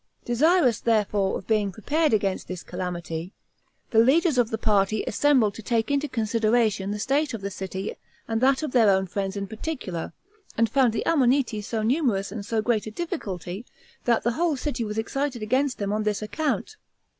Desirous, therefore, of being prepared against this calamity, the leaders of the party assembled to take into consideration the state of the city and that of their own friends in particular, and found the ammoniti so numerous and so great a difficulty, that the whole city was excited against them on this account.